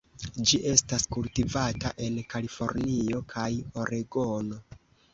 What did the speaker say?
Ĝi estas kultivata en Kalifornio kaj Oregono.